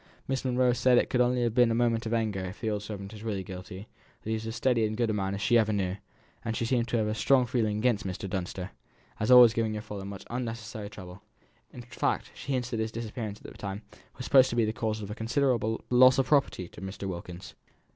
Miss Monro says it could only have been done in a moment of anger if the old servant is really guilty; that he was as steady and good a man as she ever knew, and she seems to have a strong feeling against Mr. Dunster, as always giving your father much unnecessary trouble; in fact, she hints that his disappearance at the time was supposed to be the cause of a considerable loss of property to Mr. Wilkins."